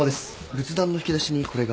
仏壇の引き出しにこれが。